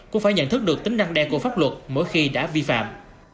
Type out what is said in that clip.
cũng phải nhận thức được tính năng đe của pháp luật mỗi khi đã vi phạm